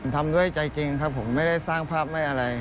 ทำด้วยใจจริงครับผมไม่ได้สร้างภาพไม่อะไร